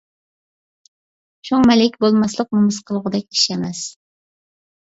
شۇڭا مەلىكە بولماسلىق نومۇس قىلغۇدەك ئىش ئەمەس.